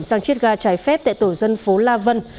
sang chiết ga trái phép tại tổ dân phố la vân